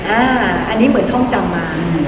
อันนี้เหมือนท่องจำมา